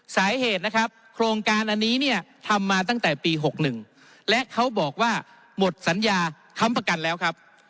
สาเหตุโครงการมันทำมาตั้งแต่ปี๑๙๖๑และเขาบอกว่าหมดสัญญาคำประกันแล้วครับ